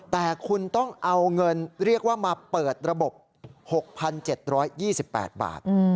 แต่คุณต้องเอาเงินเรียกว่ามาเปิดระบบ๖๗๒๘บาท